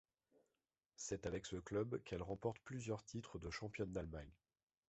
C'est avec ce club qu'elle remporte plusieurs titres de Championne d'Allemagne.